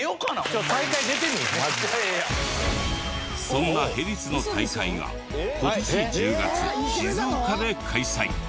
そんなヘディスの大会が今年１０月静岡で開催。